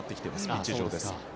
ピッチ上です。